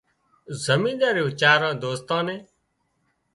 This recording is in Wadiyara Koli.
امينۮارئي او چارئي دوستان نين